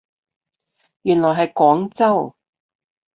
原來係廣州